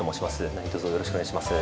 何とぞよろしくお願いします。